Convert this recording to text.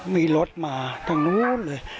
มีรถมาทางนู้นเลย